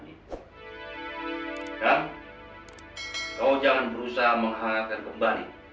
dan kau jangan berusaha menghargai kembali